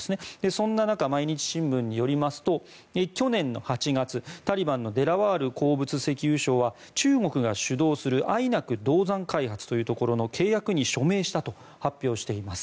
そんな中、毎日新聞によりますと去年８月タリバンのデラワール鉱物石油相は中国が主導するアイナク銅山開発の契約に署名したと発表しています。